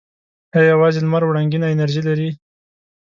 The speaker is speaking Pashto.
آیا یوازې لمر وړنګینه انرژي لري؟